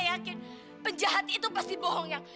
yakin penjahat itu pasti bohong yang